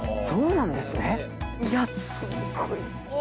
そうなんですねいやすごい。